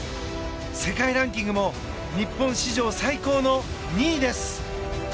世界ランキングも日本史上最高の２位です。